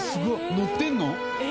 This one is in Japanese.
乗ってるの？